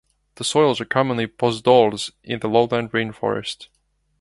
The soils are commonly Podzols in the lowland rain forest.